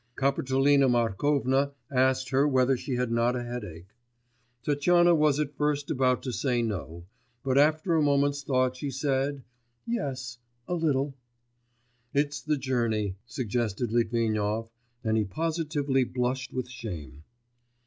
Kapitolina Markovna asked her whether she had not a headache. Tatyana was at first about to say no, but after a moment's thought, she said, 'Yes, a little.' 'It's the journey,' suggested Litvinov, and he positively blushed with shame.